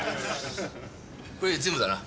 これで全部だな。